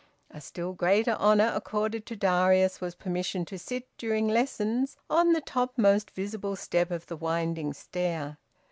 A still greater honour accorded to Darius was permission to sit, during lessons, on the topmost visible step of the winding stair.